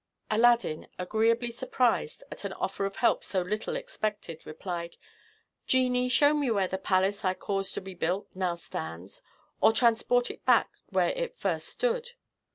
Aladdin, agreeably surprised at an offer of help so little expected, replied, "Genie, show me where the palace I caused to be built now stands, or transport it back where it first stood."